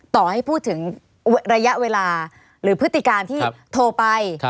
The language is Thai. ต่อให้พูดถึงระยะเวลาหรือพฤติการที่โทรไป